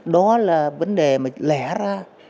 đó là vấn đề mà lẻ ra